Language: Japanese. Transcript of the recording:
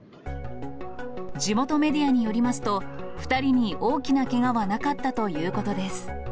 地元メディアによりますと、２人に大きなけがはなかったということです。